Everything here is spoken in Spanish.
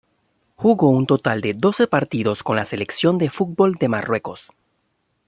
Jugó un total de doce partidos con la selección de fútbol de Marruecos.